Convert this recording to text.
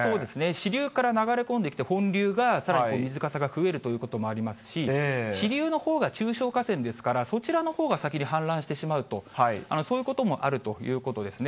支流から流れ込んできて、本流がさらに水かさが増えるということもありますし、支流のほうが中小河川ですから、そちらのほうが先に氾濫してしまうと、そういうこともあるということですね。